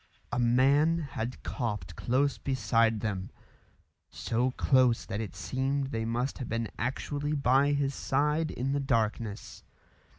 A man had coughed close beside them so close that it seemed they must have been actually by his side in the darkness.